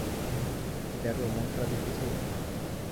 ড্যাডো, মন খারাপের কিছুই নেই।